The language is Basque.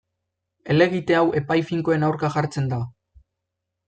Helegite hau epai finkoen aurka jartzen da.